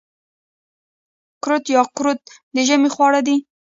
کورت یا قروت د ژمي خواړه دي.